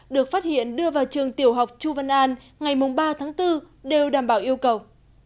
được phát hiện đưa vào trường tiểu học chu văn an ngày ba tháng bốn đều đảm bảo yêu cầu